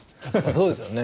そうですよね。